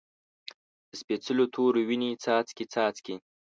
د سپیڅلو تورو، وینې څاڅکي، څاڅکي